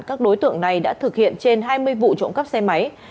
các đối tượng này đã thực hiện trên hai mươi vụ trộm cắp xe máy